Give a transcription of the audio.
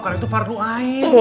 karena itu fardu aik